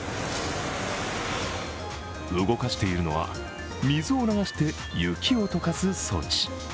動かしているのは、水を流して雪をとかす装置。